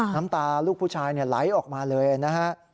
น้ำตาลูกผู้ชายไหลออกมาเลยนะฮะ